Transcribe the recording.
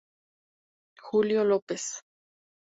Julio López